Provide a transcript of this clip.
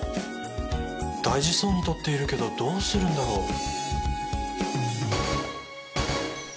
大事そうに取っているけどどうするんだろう？